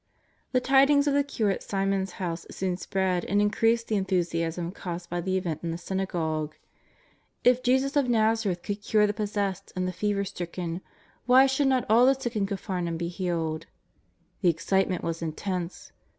The tidings of the cure at Simon's house soon spread and increased the enthusiasm caused by the event in the synagogue. If Jesus of Xazareth could cure the pos sessed and the fever stricken, why should not all the sick in Capharnaum be healed? The excitement was intense.